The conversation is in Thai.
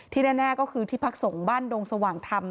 แน่ก็คือที่พักสงฆ์บ้านดงสว่างธรรม